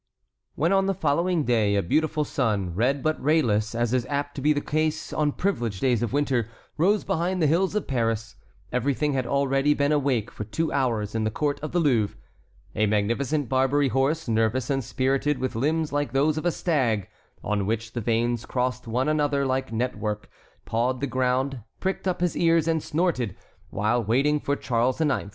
When on the following day a beautiful sun, red but rayless, as is apt to be the case on privileged days of winter, rose behind the hills of Paris, everything had already been awake for two hours in the court of the Louvre. A magnificent Barbary horse, nervous and spirited, with limbs like those of a stag, on which the veins crossed one another like network, pawed the ground, pricked up his ears and snorted, while waiting for Charles IX.